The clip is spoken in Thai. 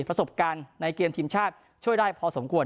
ประสบการณ์ในเกมทีมชาติช่วยได้พอสมควร